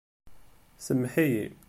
Sameḥ-iyi.